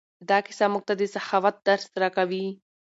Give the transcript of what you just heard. دا کیسه موږ ته د سخاوت درس راکوي.